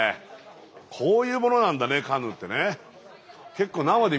こういうものなんだねカヌーってね。